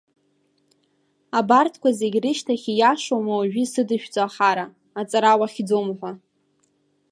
Абарҭқәа зегьы рышьҭахь ииашоума уажәы исыдышәҵо ахара, аҵара уахьӡом ҳәа.